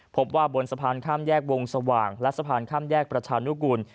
พบว่าบนสะพานข้ามแยกวงสว่างและสะพานข้ามแยกประชานุกูล